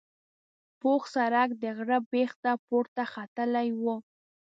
پوخ سړک د غره بیخ ته پورته ختلی و.